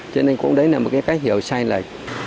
cho nên cũng đấy là một cái cách hiểu sai lệch